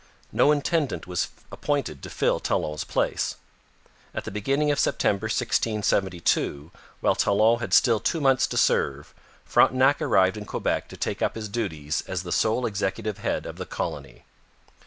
No intendant was appointed to fill Talon's place. At the beginning of September 1672, while Talon had still two months to serve, Frontenac arrived in Quebec to take up his duties as the sole executive head of the colony.